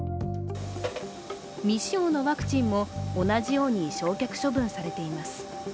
未使用のワクチンも、同じように焼却処分されています。